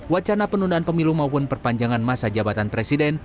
wacana penundaan pemilu maupun perpanjangan masa jabatan presiden